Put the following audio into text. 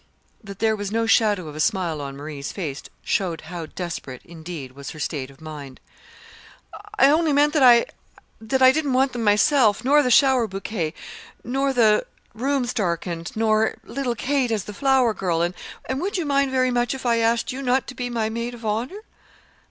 That there was no shadow of a smile on Marie's face showed how desperate, indeed, was her state of mind. "I only meant that I didn't want them myself, nor the shower bouquet, nor the rooms darkened, nor little Kate as the flower girl and would you mind very much if I asked you not to be my maid of honor?"